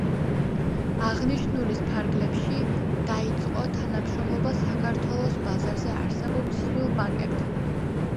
აღნიშნულის ფარგლებში, დაიწყო თანამშრომლობა საქართველოს ბაზარზე არსებულ მსხვილ ბანკებთან.